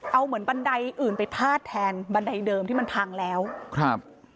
เอาเหมือนบันไดอื่นไปพาดแทนบันไดเดิมที่มันพังแล้วครับ